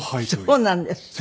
そうなんですって。